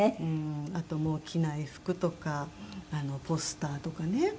あともう着ない服とかポスターとかね